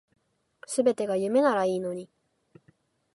全てが夢ならいいのに